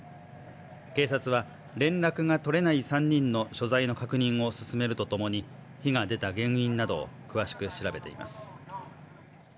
警察は連絡が取れない３人の所在の確認を進めるとともに火が出た原因などを詳しく調べています。